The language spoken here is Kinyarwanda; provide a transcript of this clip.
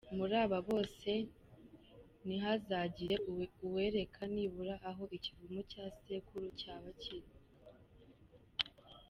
Muri aba bose nihazagire uwerekana nibura aho ikivumu cya sekuru cyaba kiri.